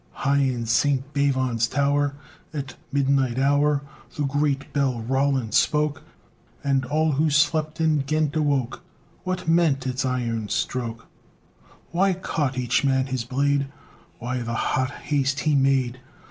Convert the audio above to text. High in St. Bavon's tower, At midnight hour, The great bell Roland spoke, And all who slept in Ghent awoke. What meant its iron stroke? Why caught each man his blade? Why the hot haste he made?